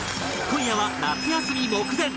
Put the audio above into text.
今夜は夏休み目前！